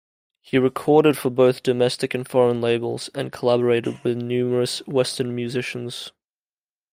He recorded for both domestic and foreign labels, and collaborated with numerous western musicians.